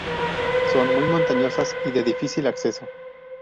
Son muy montañosas y de difícil acceso.